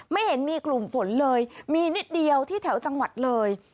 ไม่เห็นมีกลุ่มฝนเลยมีนิดเดียวที่แถวจังหวัดเลย